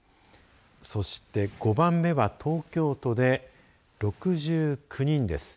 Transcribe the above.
そして、５番目は東京都で６９人です。